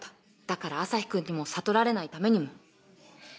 だからアサヒくんにも悟られないためにも